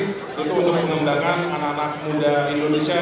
jadi untuk mengembangkan anak anak muda indonesia